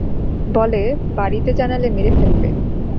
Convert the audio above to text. বলে, বাড়িতে জানালে মেরে ফেলবে।